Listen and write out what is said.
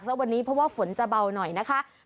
แล้ววันนี้เพราะว่าฝนจะเบาหน่อยนะคะ